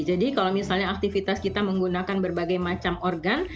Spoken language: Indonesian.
jadi kalau misalnya aktivitas kita menggunakan berbagai macam organ